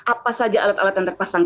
apa saja alat alatan terpasang